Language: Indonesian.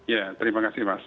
ya terima kasih mas